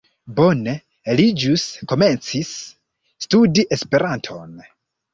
Bone, li ĵus komencis studi Esperanton